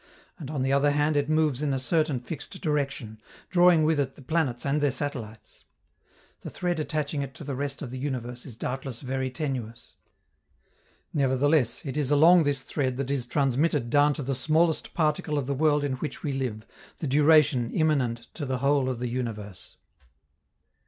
And, on the other hand, it moves in a certain fixed direction, drawing with it the planets and their satellites. The thread attaching it to the rest of the universe is doubtless very tenuous. Nevertheless it is along this thread that is transmitted down to the smallest particle of the world in which we live the duration immanent to the whole of the universe.